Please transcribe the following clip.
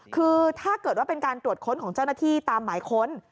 คือถ้าเกิดว่าเป็นการตรวจค้นของเจ้าหน้าที่ตามหมายค้น